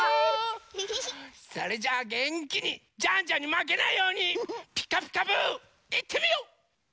それじゃあげんきにジャンジャンにまけないように「ピカピカブ！」いってみよう！